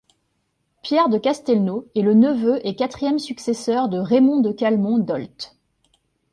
Pierre de Castelnau est le neveu et quatrième successeur de Raimond de Calmont d'Olt.